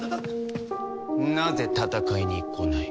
なぜ戦いに来ない？